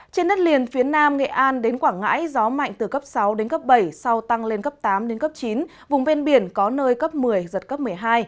trên đất liền phía nam nghệ an đến quảng ngãi gió mạnh từ cấp sáu đến cấp bảy sau tăng lên cấp tám đến cấp chín vùng ven biển có nơi cấp một mươi giật cấp một mươi hai